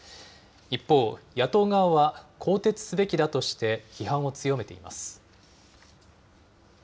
一方、野党側は更迭すべきだとして、批判を強めています。